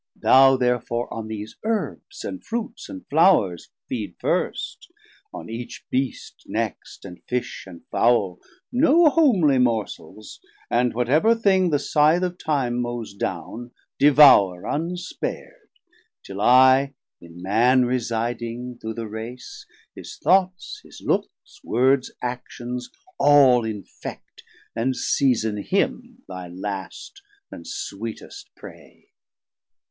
Thou therefore on these Herbs, and Fruits, & Flours Feed first, on each Beast next, and Fish, and Fowle, No homely morsels, and whatever thing The Sithe of Time mowes down, devour unspar'd, Till I in Man residing through the Race, His thoughts, his looks, words, actions all infect, And season him thy last and sweetest prey.